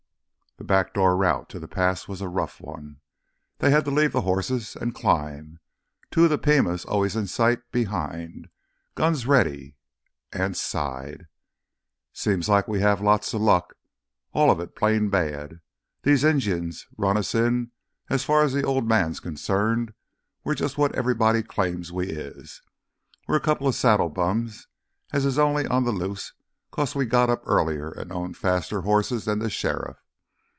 The back door route to the pass was a rough one. They had to leave the horses and climb, two of the Pimas always in sight behind, guns ready. Anse sighed. "Seems like we have lots of luck—all of it plain bad. These Injuns run us in an' as far as th' Old Man's concerned we're jus' what everybody claims we is. We're a coupla saddle bums as is only on th' loose 'cause we got up earlier an' owned faster hosses than th' sheriff!